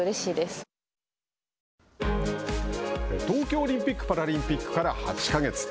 東京オリンピック・パラリンピックから８か月。